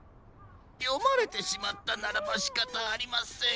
よまれてしまったならばしかたありません。